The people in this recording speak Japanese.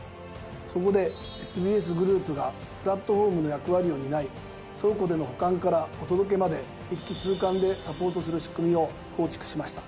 そこでＳＢＳグループがプラットフォームの役割を担い倉庫での保管からお届けまで一気通貫でサポートする仕組みを構築しました。